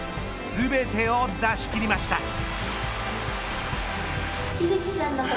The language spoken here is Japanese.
全てを出し切りました。